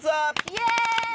イェーイ！